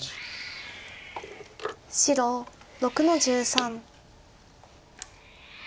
白６の十三。